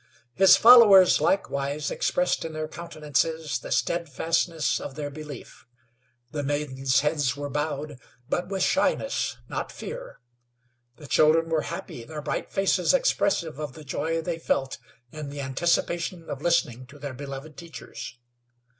His followers likewise expressed in their countenances the steadfastness of their belief. The maidens' heads were bowed, but with shyness, not fear. The children were happy, their bright faces expressive of the joy they felt in the anticipation of listening to their beloved teachers.